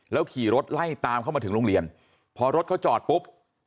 ขี่รถไล่ตามเข้ามาถึงโรงเรียนพอรถเขาจอดปุ๊บ